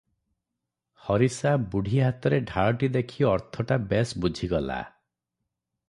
ହରି ସା ବୁଢ଼ୀ ହାତରେ ଢାଳଟି ଦେଖି ଅର୍ଥଟା ବେଶ ବୁଝିଗଲା ।